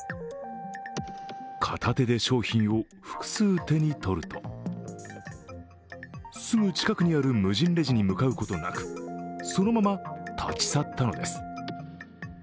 片手で商品を複数手にとるとすぐ近くにある無人レジに向かうことなく、そのまま立ち去ったのです。